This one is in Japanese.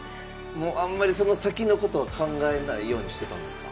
あんまりその先のことは考えないようにしてたんですか？